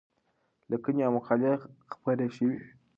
لیکنې او مقالې خپرې شوې.